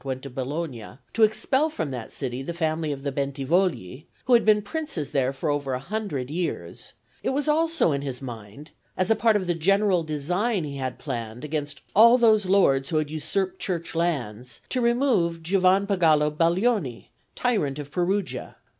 went to Bologna to expel from that city the family of the Bentivogli, who had been princes there for over a hundred years, it was also in his mind, as a part of the general design he had planned against all those lords who had usurped Church lands, to remove Giovanpagolo Baglioni, tyrant of Perugia.